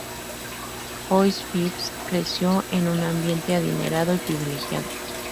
Joyce Phipps creció en un ambiente adinerado y privilegiado.